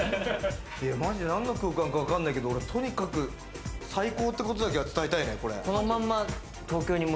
マジで何の空間かわかんないけれども、とにかく最高ってことだけは伝えたいね。